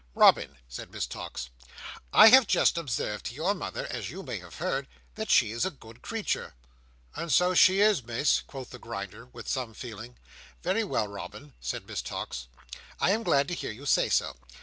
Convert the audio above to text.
"Robin," said Miss Tox, "I have just observed to your mother, as you may have heard, that she is a good creature." "And so she is, Miss," quoth the Grinder, with some feeling. "Very well, Robin," said Miss Tox, "I am glad to hear you say so.